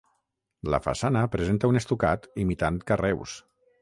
La façana presenta un estucat imitant carreus.